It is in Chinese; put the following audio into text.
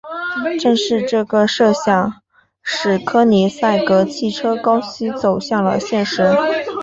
正是这个设想使柯尼塞格汽车公司走向了现实。